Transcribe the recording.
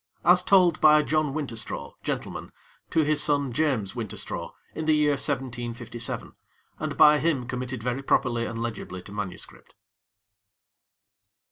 As told by John Winterstraw, Gent., to his son James Winterstraw, in the year 1757, and by him committed very properly and legibly to manuscript.